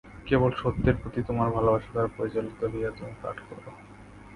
কেবল সত্যের প্রতি তোমার ভালবাসা দ্বারা পরিচালিত হইয়া তুমি পাঠ কর।